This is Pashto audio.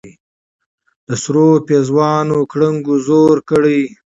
د سرو پېزوانه ګړنګو زوړ کړې